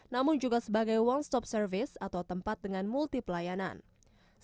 namun juga sebagai one stop service atau tempat dengan multi pelayanan